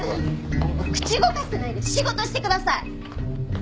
口動かしてないで仕事してください！